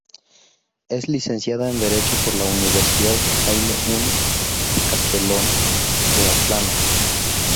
Es licenciada en Derecho por la Universidad Jaime I de Castellón de la Plana.